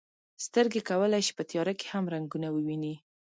سترګې کولی شي په تیاره کې هم رنګونه وویني.